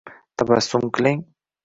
Tabassum qiling.